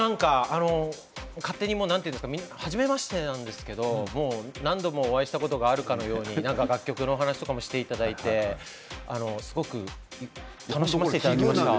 勝手にはじめましてなんですけど何度もお会いしたことがあるかのように楽曲の話とかもしていただいてすごく楽しませていただきました。